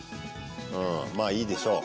まあいいでしょう。